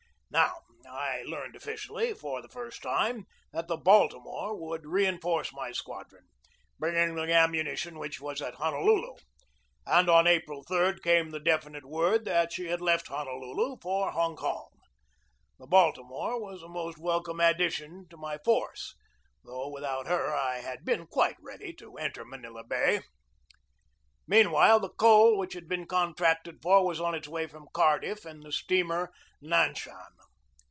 Now I learned officially for the first time that the Baltimore would reinforce my squadron, bringing the ammunition which was at Honolulu; and on April 3 came the definite word that she had left Honolulu for Hong Kong. The Baltimore was a most welcome addition to my force, though without her I had been quite ready to enter Manila Bay. Meanwhile, the coal which had been contracted for was on its way from Cardiff in the steamer Nan shan.